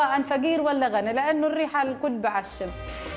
ketika mereka tidak berguna karena mereka tidak berguna